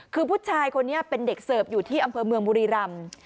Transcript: คือผู้ชายคนนี้เป็นเด็กเสิร์ฟอยู่ที่อำเภอเมืองบุรีรำ